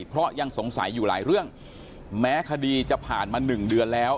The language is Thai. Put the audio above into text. เพราะยังสงสัยอยู่หลายเรื่องแม้คดีจะผ่านมา๑เดือนแล้ว